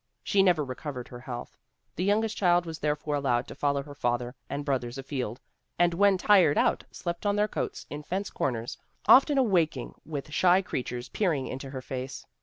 She never recovered her health. The youngest child was therefore allowed to follow her father and brothers afield "and when tired out slept on their coats in fence corners, often awaking with shy creatures peering into her face.